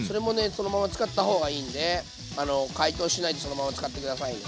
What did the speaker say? そのまま使った方がいいんで解凍しないでそのまま使って下さいね。